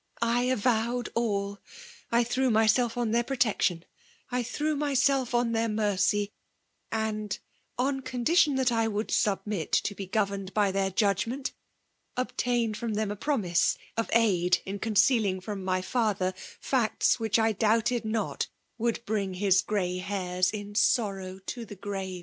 I avowed all. I threw myself on their protec tion— I threw myself on their mercy, — and, on condition that I would submit to be governed by their judgment, obtained from them a promise of aid in concealing from my father facts which, I doubted not, would bring his gray hairs in sorrow to the grave.